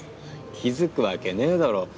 気付くわけねえだろ。